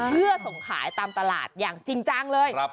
เพื่อส่งขายตามตลาดอย่างจริงจังเลย